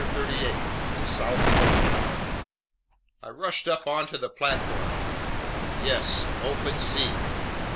CHAPTER 14 The South Pole I RUSHED UP onto the platform. Yes, open sea!